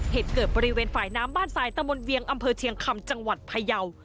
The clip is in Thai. เหตุเกิดบริเวณฝ่ายน้ำบ้านทรายตะมนต์เวียงอำเภอเชียงคำจังหวัดพยาว